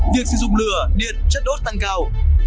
việc sử dụng lửa điện chất đốt tăng cao